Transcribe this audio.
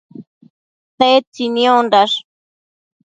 Tedtsi niondash?